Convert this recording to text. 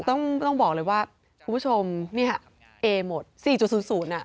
ต้องบอกเลยว่าคุณผู้ชมเนี่ยเอหมด๔๐๐น่ะ